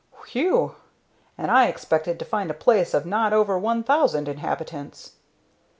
"Whew! and I expected to find a place of not over one thousand inhabitants."